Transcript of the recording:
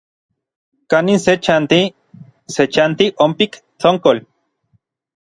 ¿Kanin se chanti? Se chanti onpik Tsonkol.